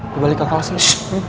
kembali ke klasenya